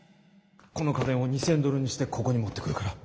この金を２，０００ドルにしてここに持ってくるから。